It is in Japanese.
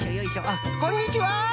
あっこんにちは。